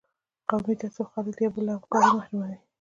قومي تعصب خلک د یو بل له همکارۍ محروموي.